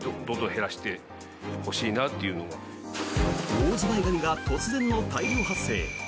オオズワイガニが突然の大量発生。